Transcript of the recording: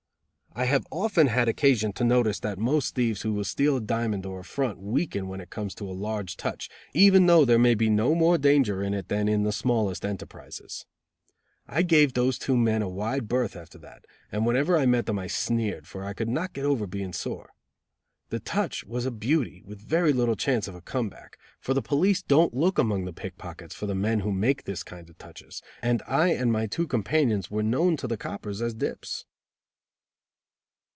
I have often had occasion to notice that most thieves who will steal a diamond or a "front" weaken when it comes to a large touch, even though there may be no more danger in it than in the smaller enterprises. I gave those two men a wide berth after that, and whenever I met them I sneered; for I could not get over being sore. The "touch" was a beauty, with very little chance of a come back, for the police don't look among the pickpockets for the men who make this kind of touches, and I and my two companions were known to the coppers as dips.